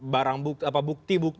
barang bukti bukti